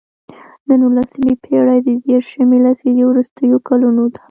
د نولسمې پېړۍ د دیرشمې لسیزې وروستیو کلونو څخه.